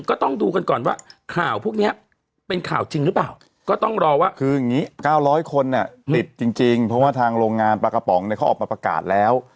๙๐๐คนติดจริงเพราะว่าทางโรงงานปลากระป๋องเขาออกมาประกาศแล้ว